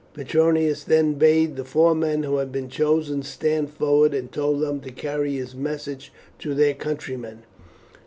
Petronius then bade the four men who had been chosen stand forward, and told them to carry his message to their countrymen.